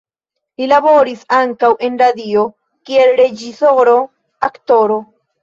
Li laboris ankaŭ en radio kiel reĝisoro, aktoro.